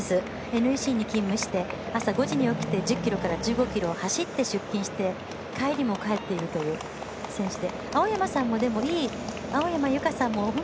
ＮＥＣに勤務して朝５時に起きて１０ｋｍから１５ｋｍ走って出勤して帰りも走っているという選手で。